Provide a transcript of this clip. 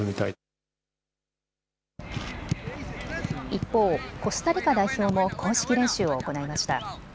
一方、コスタリカ代表も公式練習を行いました。